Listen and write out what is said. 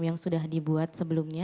yang sudah dibuat sebelumnya